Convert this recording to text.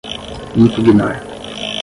impugnar